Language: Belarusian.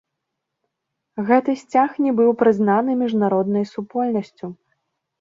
Гэты сцяг не быў прызнаны міжнароднай супольнасцю.